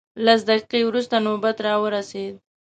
لس دقیقې وروسته نوبت راورسېد.